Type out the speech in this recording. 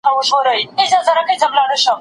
ایا بهرني سوداګر وچه الوچه ساتي؟